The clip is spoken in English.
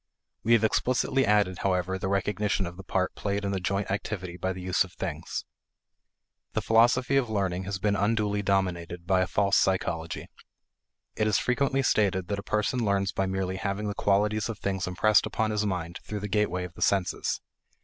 We have explicitly added, however, the recognition of the part played in the joint activity by the use of things. The philosophy of learning has been unduly dominated by a false psychology. It is frequently stated that a person learns by merely having the qualities of things impressed upon his mind through the gateway of the senses.